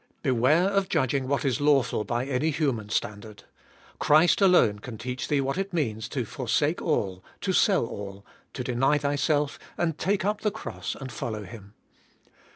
Beware of judging of what is lawful by any human standard : Christ alone can teach thee what it means to forsake all, to sell all, to deny thyself, and take up the cross, and follow Him.